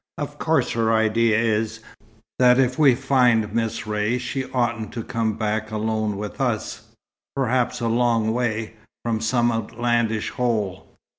Of course her idea is, that if we find Miss Ray she oughtn't to come back alone with us, perhaps a long way, from some outlandish hole."